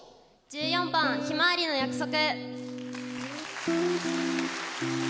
１４番「ひまわりの約束」。